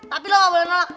tapi lo gak boleh ngelak